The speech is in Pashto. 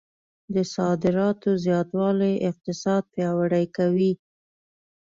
د صادراتو زیاتوالی اقتصاد پیاوړی کوي.